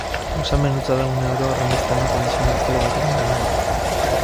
Gozamen hutsa da une oro horrenbeste ematen dizun aktore batekin lan egitea.